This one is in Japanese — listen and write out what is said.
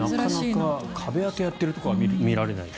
なかなか壁当てをやっているところは見られないと。